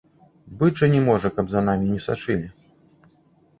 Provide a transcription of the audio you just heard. Быць жа не можа, каб за намі не сачылі.